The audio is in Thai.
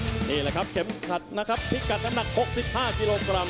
นี่แหละครับเข็มขัดนะครับพิกัดน้ำหนัก๖๕กิโลกรัม